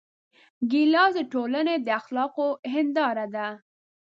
ګیلاس د ټولنې د اخلاقو هنداره ده.